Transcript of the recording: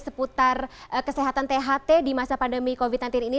seputar kesehatan tht di masa pandemi covid sembilan belas ini